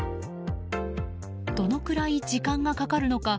どのくらい時間がかかるのか。